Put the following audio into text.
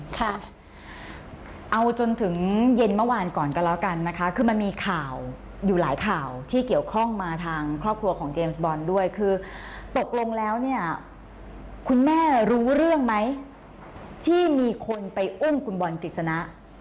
ค่ะเอาจนถึงเย็นเมื่อวานก่อนก็แล้วกันนะคะคือมันมีข่าวอยู่หลายข่าวที่เกี่ยวข้องมาทางครอบครัวของเจมส์บอลด้วยคือตกลงแล้วเนี่ยคุณแม่รู้เรื่องไหมที่มีคนไปอุ้มคุณบอลกฤษณะ